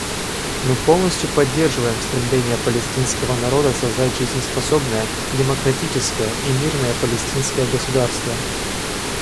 Мы полностью поддерживаем стремление палестинского народа создать жизнеспособное, демократическое и мирное палестинское государство.